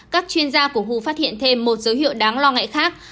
các chuyên gia của hu phát hiện thêm một dấu hiệu đáng lo ngại khác